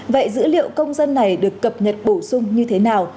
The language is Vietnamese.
vậy dữ liệu công dân này được cập nhật bổ sung như thế nào